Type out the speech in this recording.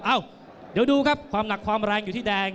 เอ้าเดี๋ยวดูครับความหนักความแรงอยู่ที่แดง